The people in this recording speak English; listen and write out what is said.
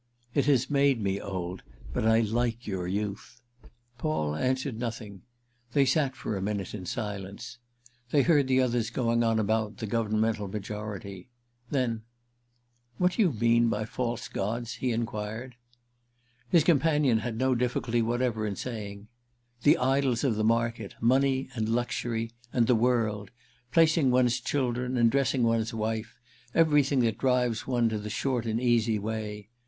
"It has made me old. But I like your youth." Paul answered nothing—they sat for a minute in silence. They heard the others going on about the governmental majority. Then "What do you mean by false gods?" he enquired. His companion had no difficulty whatever in saying, "The idols of the market; money and luxury and 'the world;' placing one's children and dressing one's wife; everything that drives one to the short and easy way.